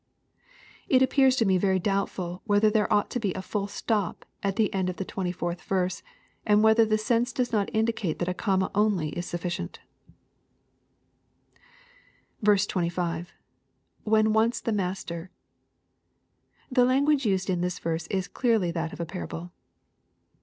It appears to me very doubtful whether there ought to be 9 " full stop" at the end of the 24th verse, and whether the sense does not indicate that a comma only is sufficient, 25. —[ When once the master.'] The language used in this verse ia clearly that of parable.